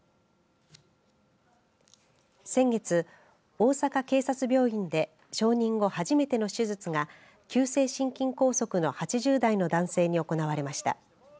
先月大阪警察病院で承認後、初めての手術が急性心筋梗塞の８０代の男性に行われました。